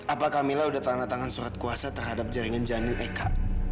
apakah mila sudah tanda tangan surat kuasa terhadap jaringan janin eka